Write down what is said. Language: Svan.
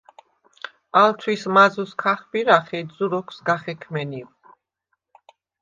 ალ თვის მაზუს ქახბირახ, ეჯზუ როქვ სგა ხექმენივ.